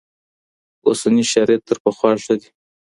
اوسني شرايط تر پخوا ښه دي.